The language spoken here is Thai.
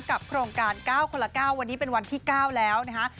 โครงการ๙คนละ๙วันนี้เป็นวันที่๙แล้วนะคะ